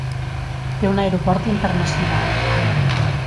Té un aeroport internacional.